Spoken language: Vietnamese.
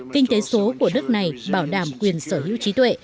kinh tế số của nước này bảo đảm quyền sở hữu trí tuệ